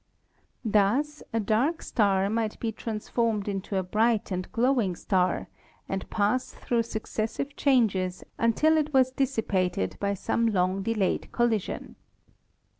Thus a dark star might be transformed into a bright and glowing star and pass through successive changes until it was dissipated by some long delayed collision.